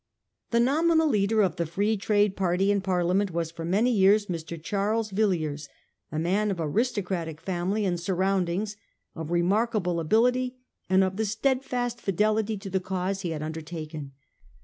The nominal leader of the Free Trade party in Parliament was for many years Mr. Charles Villiers, a man of aristocratic family and surroundings, of remarkable ability, and of the steadiest fidelity to the cause he had undertaken.